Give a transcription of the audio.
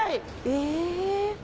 え。